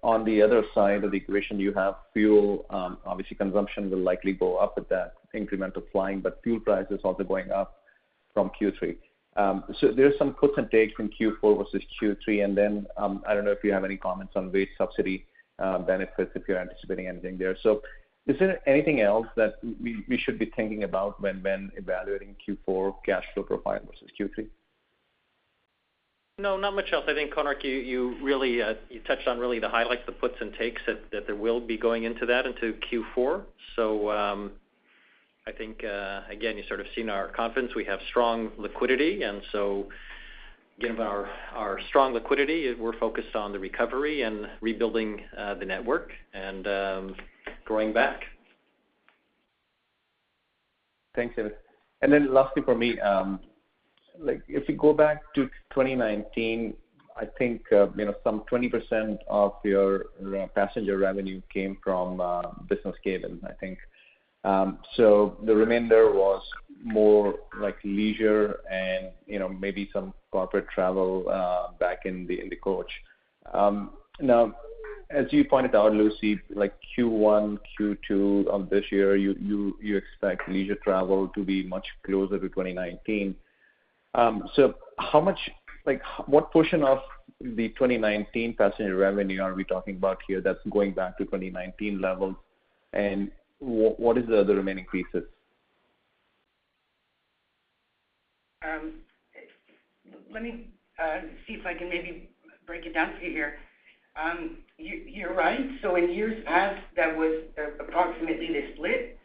On the other side of the equation, you have fuel, obviously consumption will likely go up with that incremental flying, but fuel prices also going up from Q3. There's some puts and takes from Q4 versus Q3. I don't know if you have any comments on wage subsidy benefits, if you're anticipating anything there. Is there anything else that we should be thinking about when evaluating Q4 cash flow profile versus Q3? No, not much else. I think, Konark, you really touched on really the highlights, the puts and takes that there will be going into Q4. I think, again, you've sort of seen our confidence. We have strong liquidity, and so given our strong liquidity, we're focused on the recovery and rebuilding the network and growing back. Thanks, Amos. Lastly for me, like if you go back to 2019, I think, you know, some 20% of your passenger revenue came from, business cabin, I think. So the remainder was more like leisure and, you know, maybe some corporate travel, back in the, in the coach. Now, as you pointed out, Lucie, like Q1, Q2 of this year, you expect leisure travel to be much closer to 2019. How much like what portion of the 2019 passenger revenue are we talking about here that's going back to 2019 levels? What is the other remaining pieces? Let me see if I can maybe break it down for you here. You're right. In years past, that was approximately the split.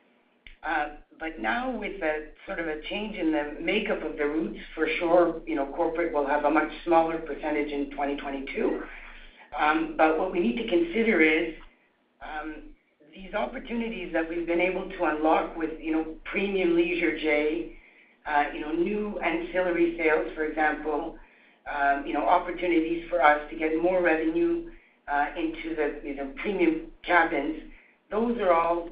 Now with the sort of a change in the makeup of the routes, for sure, you know, corporate will have a much smaller percentage in 2022. What we need to consider is these opportunities that we've been able to unlock with, you know, premium leisure J, you know, new ancillary sales, for example, you know, opportunities for us to get more revenue into the, you know, premium cabins. Those are all,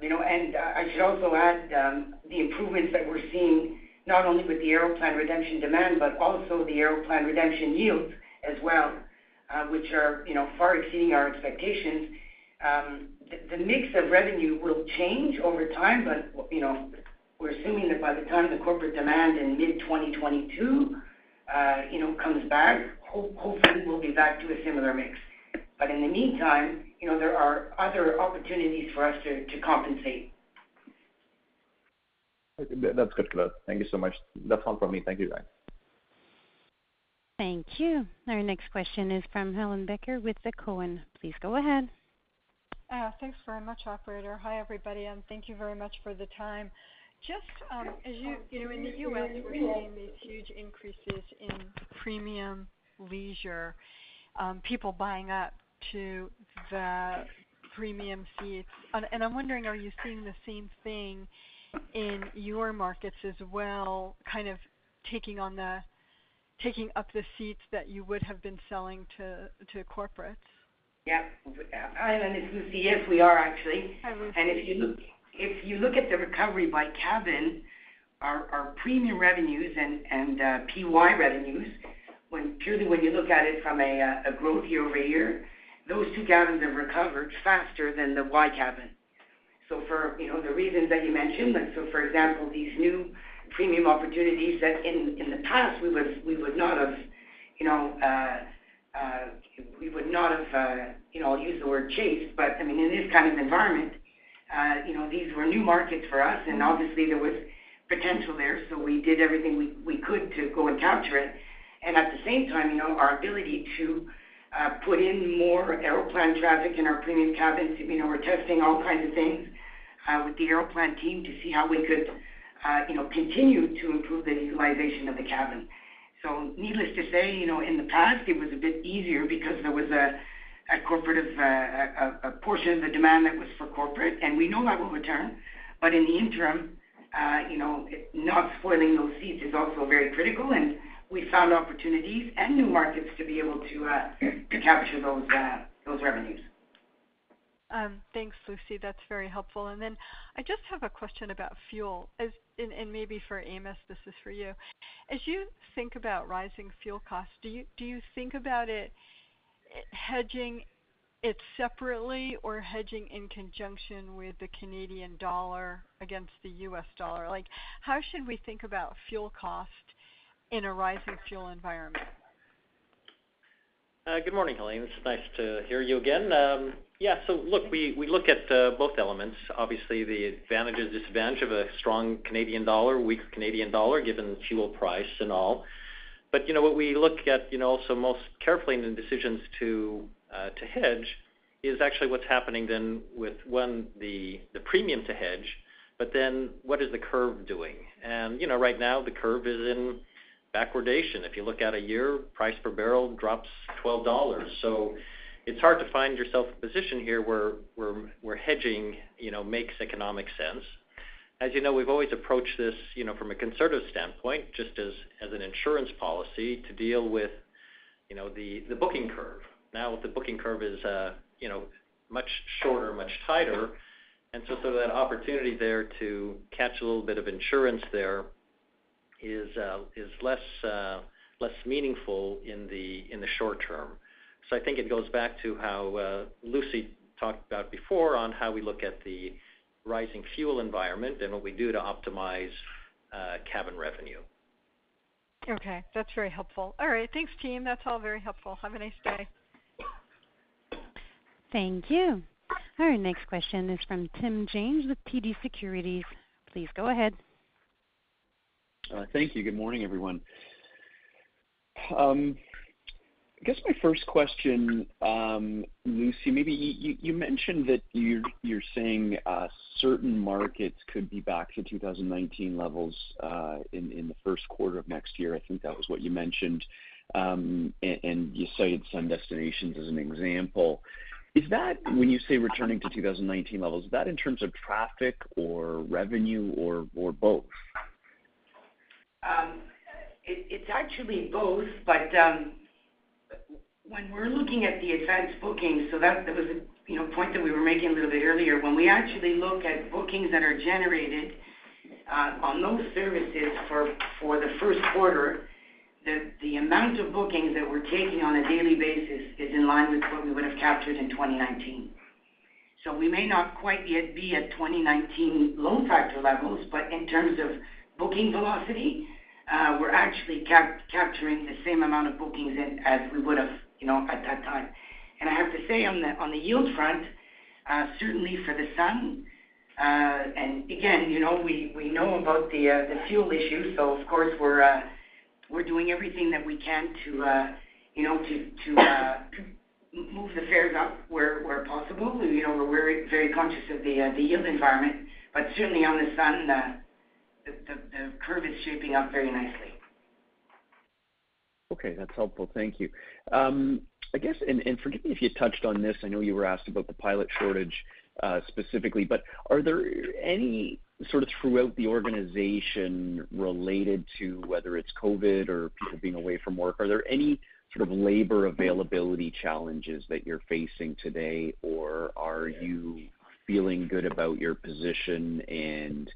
you know. I should also add the improvements that we're seeing, not only with the Aeroplan redemption demand, but also the Aeroplan redemption yields as well, which are far exceeding our expectations. The mix of revenue will change over time, but you know, we're assuming that by the time the corporate demand in mid 2022 comes back, you know, hopefully we'll be back to a similar mix. In the meantime, you know, there are other opportunities for us to compensate. That's good to know. Thank you so much. That's all from me. Thank you, guys. Thank you. Our next question is from Helane Becker with TD Cowen. Please go ahead. Thanks very much, operator. Hi, everybody, and thank you very much for the time. Just, as you know, in the U.S., we're seeing these huge increases in premium leisure, people buying up to the premium seats. I'm wondering, are you seeing the same thing in your markets as well, kind of taking up the seats that you would have been selling to corporates? Yeah. Hi, Helane. It's Lucie. Yes, we are actually. Hi, Lucie. If you look at the recovery by cabin, our premium revenues and PY revenues, purely when you look at it from a growth year-over-year, those two cabins have recovered faster than the Y cabin. You know, the reasons that you mentioned, like, so for example, these new premium opportunities that in the past we would not have, you know, I'll use the word chase. But I mean, in this kind of environment, you know, these were new markets for us, and obviously there was potential there, so we did everything we could to go and capture it. At the same time, you know, our ability to put in more Aeroplan traffic in our premium cabins. You know, we're testing all kinds of things with the Aeroplan team to see how we could, you know, continue to improve the utilization of the cabin. Needless to say, you know, in the past, it was a bit easier because there was a portion of the demand that was for corporate, and we know that will return. In the interim, you know, not spoiling those seats is also very critical, and we found opportunities and new markets to be able to to capture those revenues. Thanks, Lucie. That's very helpful. I just have a question about fuel. Maybe for Amos, this is for you. As you think about rising fuel costs, do you think about it hedging it separately or hedging in conjunction with the Canadian dollar against the U.S. dollar? Like, how should we think about fuel cost in a rising fuel environment? Good morning, Helane. It's nice to hear you again. Yeah. Look, we look at both elements. Obviously, the advantage or disadvantage of a strong Canadian dollar, weak Canadian dollar, given fuel price and all. You know, what we look at most carefully in the decisions to hedge is actually what's happening then with the premium to hedge, but then what is the curve doing? You know, right now the curve is in backwardation. If you look at a year, price per barrel drops $12. It's hard to find a position here where hedging makes economic sense. As you know, we've always approached this from a conservative standpoint, just as an insurance policy to deal with the booking curve. Now, the booking curve is, you know, much shorter, much tighter. That opportunity there to catch a little bit of insurance there is less meaningful in the short term. I think it goes back to how Lucie talked about before on how we look at the rising fuel environment and what we do to optimize cabin revenue. Okay. That's very helpful. All right. Thanks, team. That's all very helpful. Have a nice day. Thank you. Our next question is from Tim James with TD Securities. Please go ahead. Thank you. Good morning, everyone. I guess my first question, Lucie, maybe you mentioned that you're seeing certain markets could be back to 2019 levels, in the first quarter of next year. I think that was what you mentioned. You cited some destinations as an example. Is that when you say returning to 2019 levels, is that in terms of traffic or revenue or both? It's actually both, but when we're looking at the advanced bookings, that was a you know point that we were making a little bit earlier. When we actually look at bookings that are generated on those services for the first quarter, the amount of bookings that we're taking on a daily basis is in line with what we would have captured in 2019. We may not quite yet be at 2019 load factor levels, but in terms of booking velocity, we're actually capturing the same amount of bookings in as we would've you know at that time. I have to say on the yield front, certainly for the sun, and again, we know about the fuel issue. Of course, we're doing everything that we can to you know, to move the fares up where possible. You know, we're very conscious of the yield environment. Certainly on the sun, the curve is shaping up very nicely. Okay. That's helpful. Thank you. I guess, forgive me if you touched on this, I know you were asked about the pilot shortage, specifically, but are there any sort of throughout the organization related to whether it's COVID or people being away from work, are there any sort of labor availability challenges that you're facing today, or are you feeling good about your position and,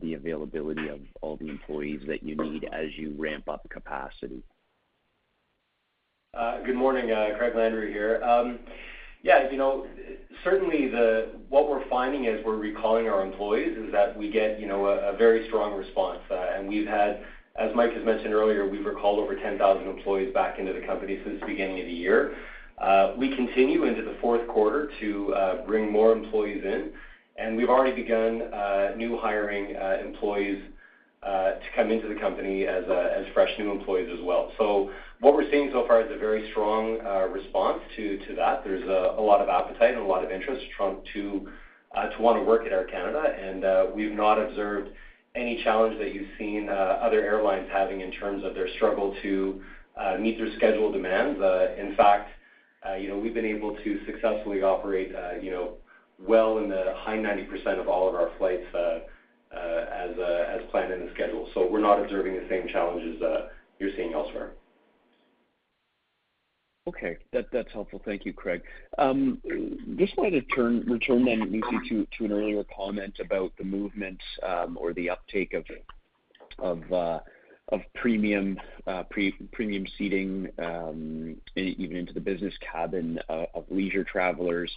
the availability of all the employees that you need as you ramp up capacity? Good morning. Craig Landry here. Yeah, you know, certainly what we're finding as we're recalling our employees is that we get, you know, a very strong response. We've had, as Mike has mentioned earlier, we've recalled over 10,000 employees back into the company since the beginning of the year. We continue into the fourth quarter to bring more employees in, and we've already begun new hiring employees to come into the company as fresh new employees as well. What we're seeing so far is a very strong response to that. There's a lot of appetite and a lot of interest from to wanna work at Air Canada. We've not observed any challenge that you've seen, other airlines having in terms of their struggle to meet their schedule demands. In fact, you know, we've been able to successfully operate, you know, well in the high 90% of all of our flights, as planned in the schedule. We're not observing the same challenges you're seeing elsewhere. Okay. That's helpful. Thank you, Craig. Just wanted to turn to Lucie to an earlier comment about the movement or the uptake of premium seating even into the business cabin of leisure travelers.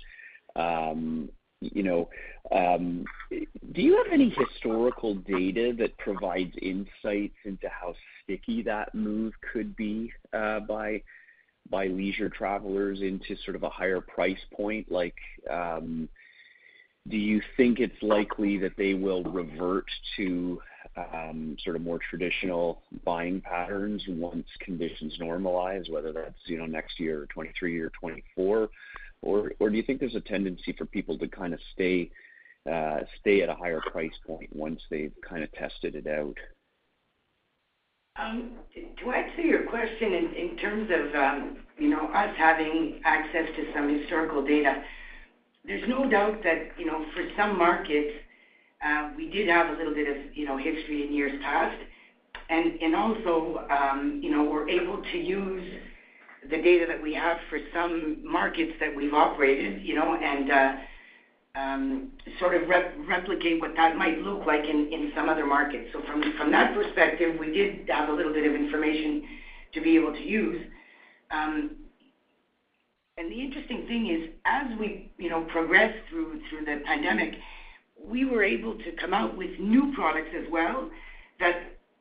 You know, do you have any historical data that provides insights into how sticky that move could be by leisure travelers into sort of a higher price point? Like, do you think it's likely that they will revert to sort of more traditional buying patterns once conditions normalize, whether that's, you know, next year or 2023 or 2024, or do you think there's a tendency for people to kind of stay at a higher price point once they've kind of tested it out? To answer your question in terms of you know us having access to some historical data, there's no doubt that you know for some markets we did have a little bit of you know history in years past. Also you know we're able to use the data that we have for some markets that we've operated you know and sort of replicate what that might look like in some other markets. From that perspective, we did have a little bit of information to be able to use. The interesting thing is as we you know progress through the pandemic, we were able to come out with new products as well that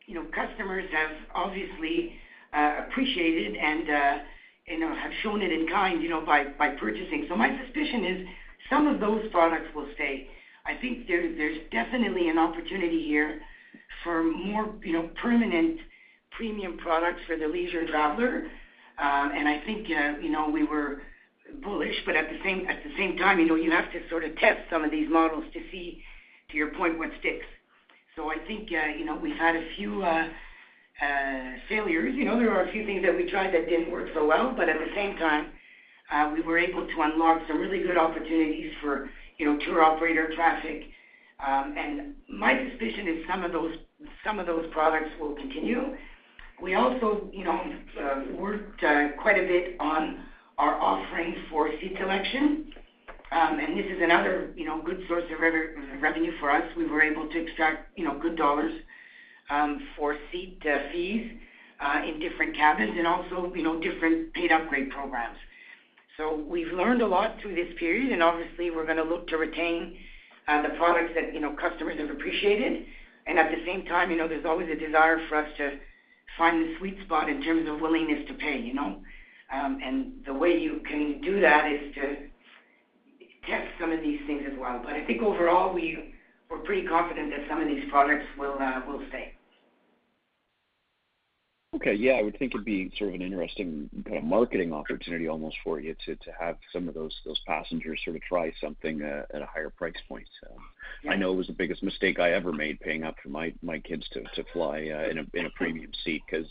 you know customers have obviously appreciated and you know have shown it in kind you know by purchasing. My suspicion is some of those products will stay. I think there's definitely an opportunity here for more, you know, permanent premium products for the leisure traveler. I think you know, we were bullish, but at the same time, you know, you have to sort of test some of these models to see, to your point, what sticks. I think you know, we had a few failures. You know, there are a few things that we tried that didn't work so well, but at the same time, we were able to unlock some really good opportunities for, you know, tour operator traffic. My suspicion is some of those products will continue. We also, you know, worked quite a bit on our offering for seat selection. This is another, you know, good source of revenue for us. We were able to extract, you know, good dollars, for seat fees, in different cabins and also, you know, different paid upgrade programs. We've learned a lot through this period, and obviously we're gonna look to retain, the products that, you know, customers have appreciated. At the same time, you know, there's always a desire for us to find the sweet spot in terms of willingness to pay, you know. The way you can do that is to test some of these things as well. I think overall, we're pretty confident that some of these products will stay. Okay. Yeah. I would think it'd be sort of an interesting kind of marketing opportunity almost for you to have some of those passengers sort of try something at a higher price point. I know it was the biggest mistake I ever made paying up for my kids to fly in a premium seat because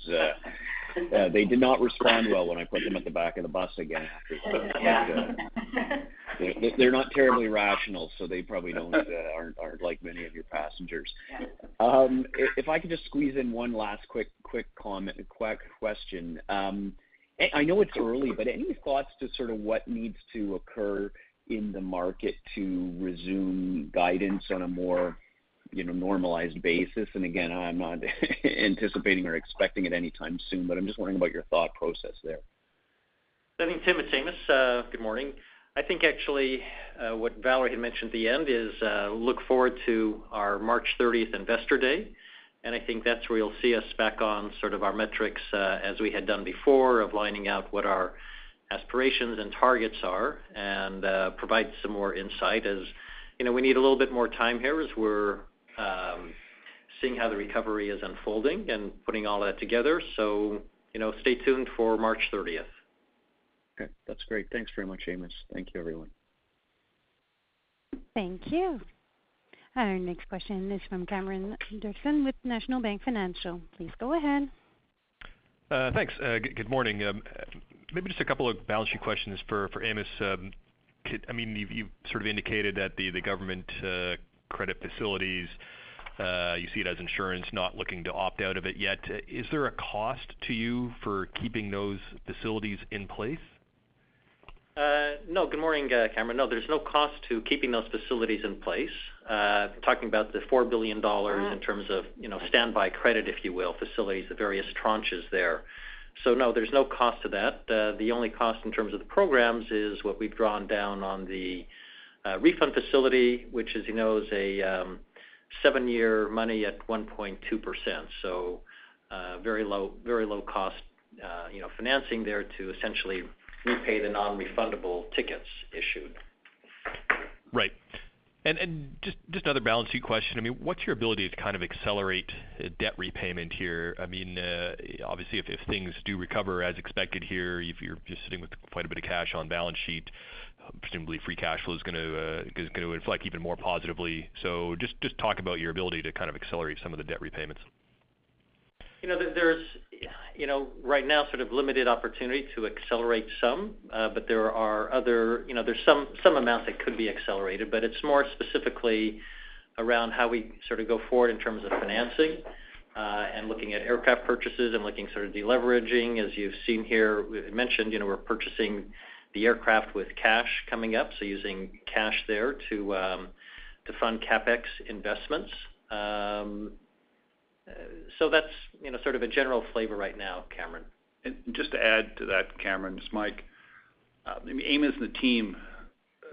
they did not respond well when I put them at the back of the bus again after. They're not terribly rational, so they probably aren't like many of your passengers. Yeah. If I could just squeeze in one last quick question. I know it's early, but any thoughts to sort of what needs to occur in the market to resume guidance on a more You know, normalized basis. Again, I'm not anticipating or expecting it anytime soon, but I'm just wondering about your thought process there. I think, Tim, it's Amos. Good morning. I think actually, what Valerie had mentioned at the end is, look forward to our March thirtieth Investor Day. I think that's where you'll see us back on sort of our metrics, as we had done before of laying out what our aspirations and targets are and, provide some more insight. As, you know, we need a little bit more time here as we're, seeing how the recovery is unfolding and putting all that together. You know, stay tuned for March thirtieth. Okay, that's great. Thanks very much, Amos. Thank you, everyone. Thank you. Our next question is from Cameron Doerksen with National Bank Financial. Please go ahead. Thanks. Good morning. Maybe just a couple of balance sheet questions for Amos. I mean, you sort of indicated that the government credit facilities you see it as insurance, not looking to opt out of it yet. Is there a cost to you for keeping those facilities in place? No. Good morning, Cameron. No, there's no cost to keeping those facilities in place. Talking about the 4 billion dollars in terms of, you know, standby credit, if you will, facilities, the various tranches there. No, there's no cost to that. The only cost in terms of the programs is what we've drawn down on the refund facility, which, as you know, is a seven-year money at 1.2%. Very low, very low cost, you know, financing there to essentially repay the non-refundable tickets issued. Right. Just another balance sheet question. I mean, what's your ability to kind of accelerate debt repayment here? I mean, obviously if things do recover as expected here, if you're just sitting with quite a bit of cash on balance sheet, presumably free cash flow is gonna reflect even more positively. Just talk about your ability to kind of accelerate some of the debt repayments. You know, there's, you know, right now sort of limited opportunity to accelerate some. But there are other. You know, there's some amount that could be accelerated, but it's more specifically around how we sort of go forward in terms of financing, and looking at aircraft purchases and looking sort of deleveraging. As you've seen here, we've mentioned, you know, we're purchasing the aircraft with cash coming up, so using cash there to fund CapEx investments. So that's, you know, sort of a general flavor right now, Cameron. Just to add to that, Cameron, it's Mike. I mean, Amos and the team,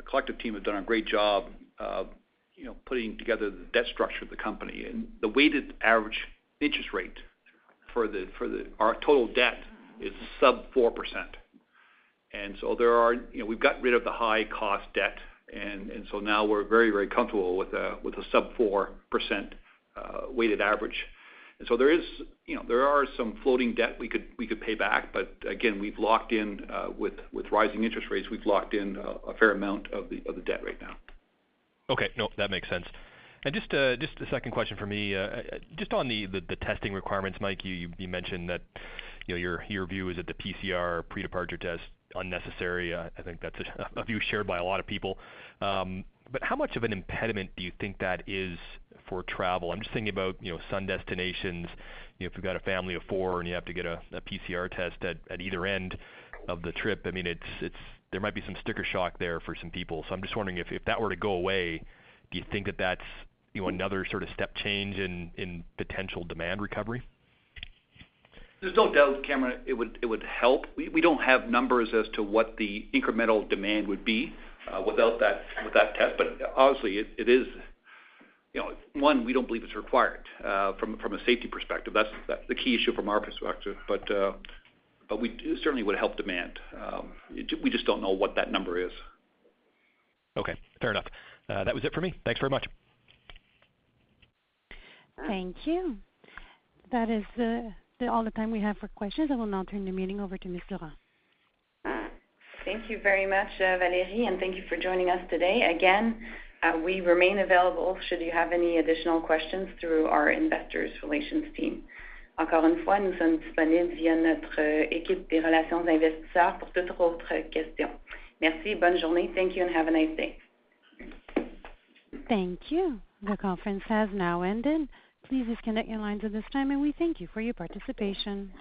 collective team have done a great job of, you know, putting together the debt structure of the company. The weighted average interest rate for our total debt is sub four percent. There are some floating debt we could pay back, but again, we've locked in with rising interest rates, we've locked in a fair amount of the debt right now. You know, we've got rid of the high cost debt, and now we're very comfortable with a sub 4% weighted average. Okay. No, that makes sense. Just a second question from me. Just on the testing requirements, Mike, you mentioned that, you know, your view is that the PCR pre-departure test unnecessary. I think that's a view shared by a lot of people. How much of an impediment do you think that is for travel? I'm just thinking about, you know, sun destinations. You know, if you've got a family of four and you have to get a PCR test at either end of the trip, I mean, it's. There might be some sticker shock there for some people. I'm just wondering if that were to go away, do you think that that's, you know, another sort of step change in potential demand recovery? There's no doubt, Cameron, it would help. We don't have numbers as to what the incremental demand would be without that test. Obviously it is. You know, one, we don't believe it's required from a safety perspective. That's the key issue from our perspective. We do certainly would help demand. We just don't know what that number is. Okay, fair enough. That was it for me. Thanks very much. Thank you. That is all the time we have for questions. I will now turn the meeting over to Valerie Durand. Thank you very much, Valerie, and thank you for joining us today. Again, we remain available should you have any additional questions through our Investor Relations team. Thank you, and have a nice day. Thank you. The conference has now ended. Please disconnect your lines at this time, and we thank you for your participation.